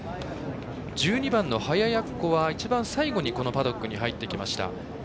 １２番のハヤヤッコは最後にこのパドックに入ってきました。